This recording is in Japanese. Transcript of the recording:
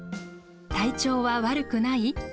「体調は悪くない？」